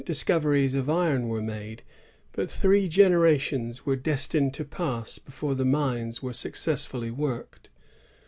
7 discoveries of iron were made; but three generations were destined to pass before the mines were success fully worked.